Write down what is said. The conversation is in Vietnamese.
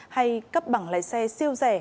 hay cấp bằng lái xe siêu rẻ